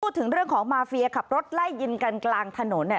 พูดถึงเรื่องของมาเฟียขับรถไล่ยิงกันกลางถนนเนี่ย